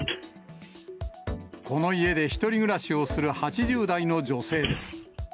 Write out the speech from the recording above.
この家で一人暮らしをする８０代の女性です。